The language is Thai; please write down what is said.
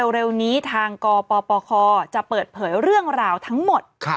เร็วนี้ทางกปปคจะเปิดเผยเรื่องราวทั้งหมด